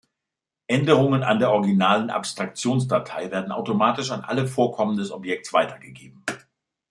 Änderungen an der originalen Abstraktions-Datei werden automatisch an alle Vorkommen des Objekts weitergegeben.